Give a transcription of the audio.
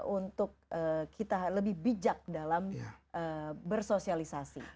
untuk kita lebih bijak dalam bersosialisasi